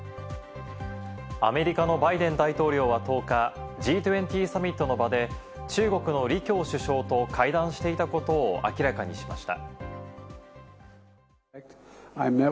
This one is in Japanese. アメリカのバイデン大統領は１０日、Ｇ２０サミットの場で、中国のリ・キョウ首相と会談していたことを明らかにしました。